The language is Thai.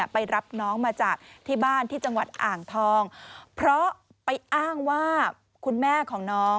ไปรับน้องมาจากที่บ้านที่จังหวัดอ่างทองเพราะไปอ้างว่าคุณแม่ของน้อง